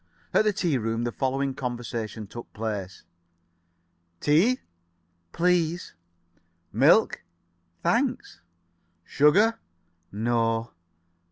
At the tea room the following conversation took place: "Tea?" "Please." [Pg 62]"Milk?" "Thanks." "Sugar?" "No."